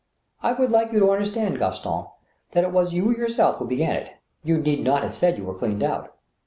« I would like you to understand, Gaston, that it was you your self who began it. You need not have said you were cleaned out."